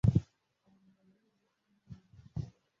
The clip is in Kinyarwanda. Abantu bareba ibirori cyangwa ibirori hano